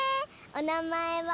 おなまえは？